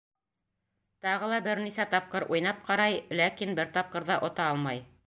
Тағы ла бер нисә тапҡыр уйнап ҡарай, ләкин бер тапҡыр ҙа ота алмай.